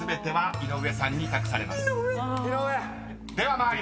井上！